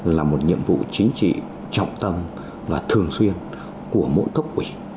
là một nhiệm vụ chính trị trọng tâm và thường xuyên của mỗi cấp ủy